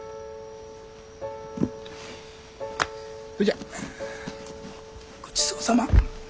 それじゃごちそうさま。